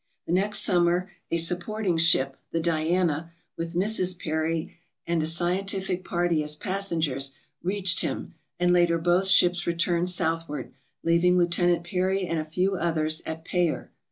The next summer a supporting ship, the "Diana," with Mrs. Peary and a scientific party as passengers, reached him, and later both ships returned southward, leaving Lieutenant Peary and a few others at Payer.